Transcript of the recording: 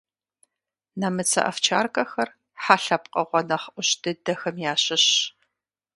Нэмыцэ овчаркэхэр хьэ лъэпкъыгъуэ нэхъ ӏущ дыдэхэм ящыщщ.